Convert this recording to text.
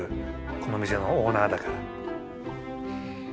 この店のオーナーだから。